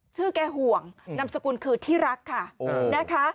ชื่อแก่ห่วงนำสกุลคือที่รักค่ะ